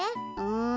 ん。